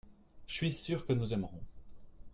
je suis sûr que nous aimerons.